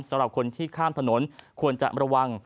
สำหรับคนที่ข้ามถนนควรจะระวัง